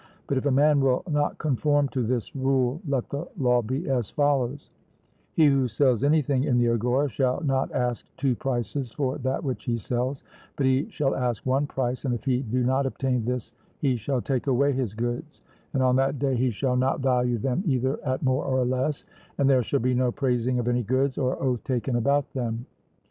But if a man will not conform to this rule, let the law be as follows: He who sells anything in the agora shall not ask two prices for that which he sells, but he shall ask one price, and if he do not obtain this, he shall take away his goods; and on that day he shall not value them either at more or less; and there shall be no praising of any goods, or oath taken about them.